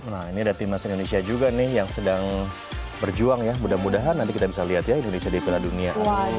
nah ini ada timnas indonesia juga nih yang sedang berjuang ya mudah mudahan nanti kita bisa lihat ya indonesia di piala dunia